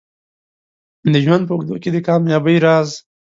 د ژوند په اوږدو کې د کامیابۍ راز